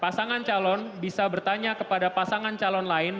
pasangan calon bisa bertanya kepada pasangan calon lain